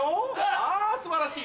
あ素晴らしい！